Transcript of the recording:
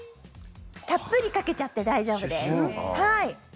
たっぷりかけちゃって大丈夫です。